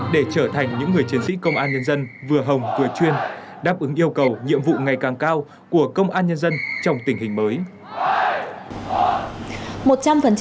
để trở thành những người chiến sĩ công an nhân dân vừa hồng vừa chuyên đáp ứng yêu cầu nhiệm vụ ngày càng cao của công an nhân dân trong tình hình mới